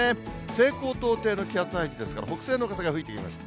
西高東低の気圧配置ですから、北西の風が吹いてきました。